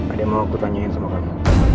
ada yang mau aku tanyain sama kamu